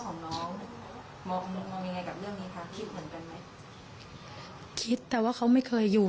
ของน้องมองมองยังไงกับเรื่องนี้คะคิดเหมือนกันไหมคิดแต่ว่าเขาไม่เคยอยู่